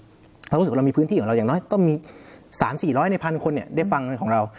เรารู้สึกว่าพื้นที่ของเราอย่างน้อยต้องมีสามสี่ร้อยในพรรณคนเนี่ยได้ฟังของเรา